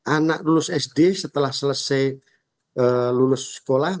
anak lulus sd setelah selesai lulus sekolah